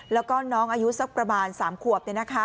แล้วก็น้องอายุสักประมาณ๓ขวบ